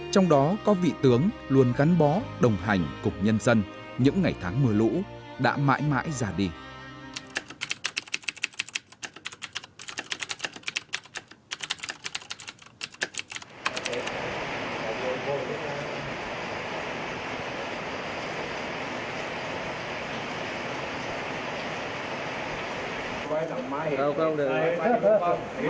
thị tướng luôn gắn bó đồng hành cục nhân dân những ngày tháng mưa lũ đã mãi mãi gia đình